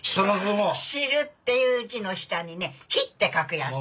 「知る」っていう字の下にね「日」って書くやつ。